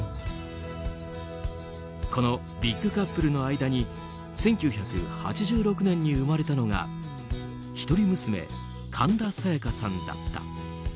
このビッグカップルの間に１９８６年に生まれたのが一人娘、神田沙也加さんだった。